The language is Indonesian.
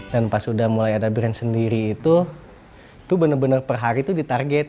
dan pas udah mulai ada brand sendiri itu itu bener bener per hari itu di target